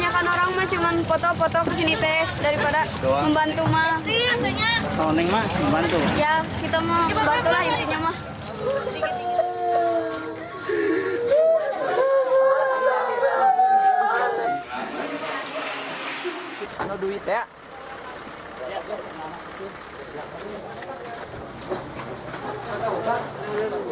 kita ke sini teh daripada membantu mah